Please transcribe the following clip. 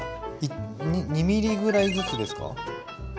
２ｍｍぐらいずつですか？